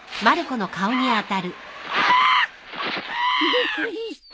びっくりした。